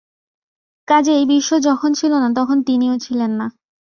কাজেই বিশ্ব যখন ছিল না, তখন তিনিও ছিলেন না।